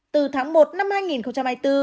từ tháng một năm hai nghìn hai mươi bốn